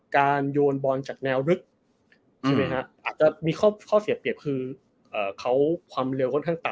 การยนต์บอลจากแนวลึกอาจจะมีข้อเสียเปรียบคือความเร็วค่อนข้างต่ำ